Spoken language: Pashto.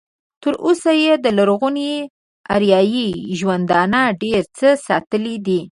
تر اوسه یې د لرغوني اریایي ژوندانه ډېر څه ساتلي دي.